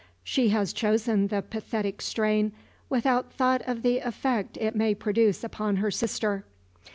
She has chosen the pathetic strain without thought of the effect it may produce upon her sister.